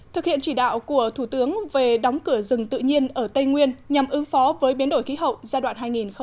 thực hiện chỉ đạo của thủ tướng về đóng cửa rừng tự nhiên ở tây nguyên nhằm ứng phó với biến đổi khí hậu giai đoạn hai nghìn một mươi một hai nghìn hai mươi